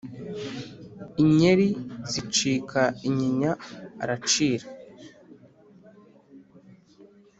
inyeri zicika inyinya aracira